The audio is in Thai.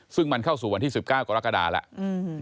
ซึ่งมันเข้าสู่วันที่๑๙กรกฎาแล้ว